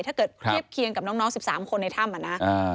ถ้าเกิดเทียบเคียงกับน้อง๑๓คนในถ้ำ